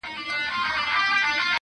نن سهار مي پر اورغوي فال کتلی -